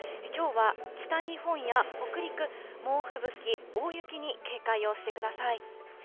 きょうは北日本や北陸、猛吹雪、大雪に警戒をしてください。